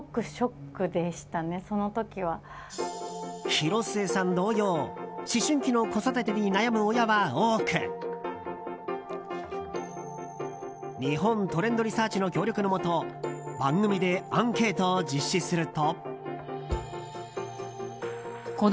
広末さん同様思春期の子育てに悩む親は多く日本トレンドリサーチの協力のもと番組でアンケートを実施すると。